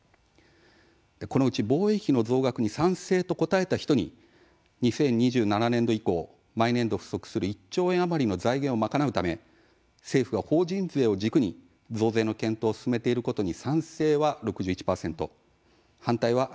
このうち防衛費の増額に賛成と答えた人に２０２７年度以降毎年度、不足する１兆円余りの財源を賄うため政府は法人税を軸に増税の検討を進めていることに賛成は６１％反対は３４％でした。